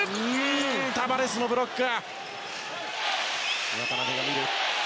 ただ、タバレスのブロック。